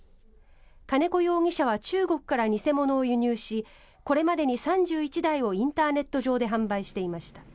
金子容疑者は中国から偽物を輸入しこれまでに３１台をインターネット上で販売していました。